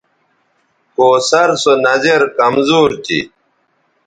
کوثر سو نظِر کمزور تھی